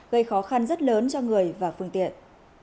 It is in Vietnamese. gây khó khăn rất lớn cho người và phương tiện